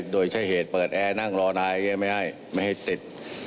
โดยใช้เหตุเปิดแอร์นั่งรอนายไม่ให้ไม่ให้ติด